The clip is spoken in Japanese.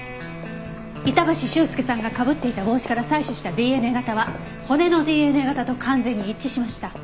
板橋秀介さんがかぶっていた帽子から採取したＤＮＡ型は骨のＤＮＡ型と完全に一致しました。